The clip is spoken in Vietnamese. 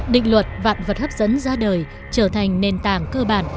định luật vạn vật hấp dẫn ra đời trở thành nền tảng cơ bản